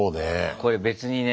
これ別にね